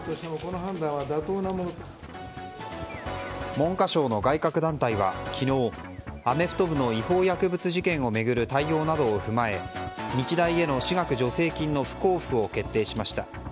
文科省の外郭団体は昨日アメフト部の違法薬物事件を巡る対応などを踏まえ日大への私学助成金の不交付を決定しました。